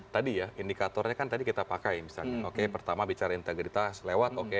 tadi ya indikatornya kan tadi kita pakai misalnya oke pertama bicara integritas lewat oke